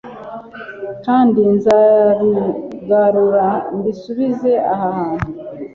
kandi nzabigarura mbisubize aha hantu